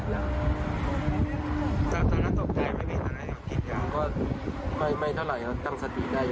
ก็ไม่เท่าไหร่ที่จังสตีได้